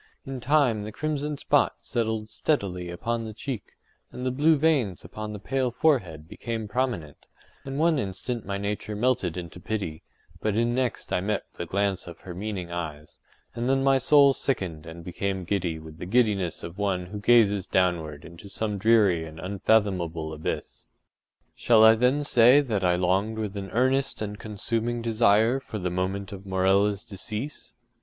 In time the crimson spot settled steadily upon the cheek, and the blue veins upon the pale forehead became prominent; and one instant my nature melted into pity, but in, next I met the glance of her meaning eyes, and then my soul sickened and became giddy with the giddiness of one who gazes downward into some dreary and unfathomable abyss. Shall I then say that I longed with an earnest and consuming desire for the moment of Morella’s decease?